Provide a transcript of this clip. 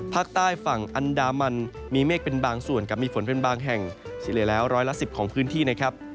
ภาคใต้ฝั่งอันดามันมีเมฆเป็นบางส่วนกับมีฝนเป็นบางแห่งเฉลี่ยแล้วร้อยละ๑๐ของพื้นที่นะครับ